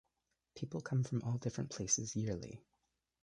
People come from all different places yearly.